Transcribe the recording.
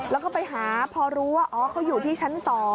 แล้วก็ไปหาพอรู้ว่าอ๋อเขาอยู่ที่ชั้น๒